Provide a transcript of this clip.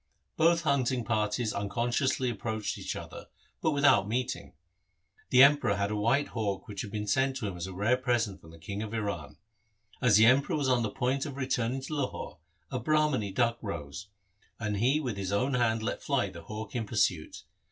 Both hunting parties unconsc ously approached each other, but without meeting. The Emperor had a white hawk which had been sent him as a rare present from the King of Iran. As the Emperor was on the point of returning to Lahore, a Brahmani duck rose, and he with his own hand let fly the hawk in pursuit.